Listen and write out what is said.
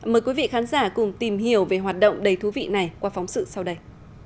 mời quý vị khán giả cùng tìm hiểu về hoạt động đầy thú vị này qua phóng sự sau đây